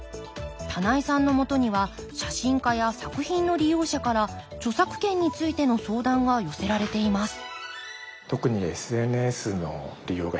棚井さんのもとには写真家や作品の利用者から著作権についての相談が寄せられています